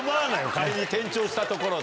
仮に転調したところで。